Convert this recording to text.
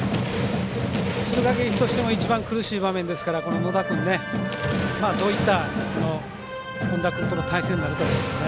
敦賀気比としても一番苦しい場面ですから野田君、どういった本田君との対戦になるかですよね。